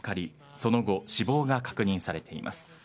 その後、死亡が確認されています。